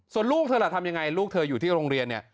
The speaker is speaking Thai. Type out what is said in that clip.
ส่วนลูกเธอล่ะทำยังไงลูกเธออยู่ที่โรงเรียนเนี่ย